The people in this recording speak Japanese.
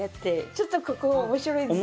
ちょっとここ面白いですよ。